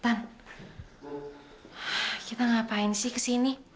wah kita ngapain sih kesini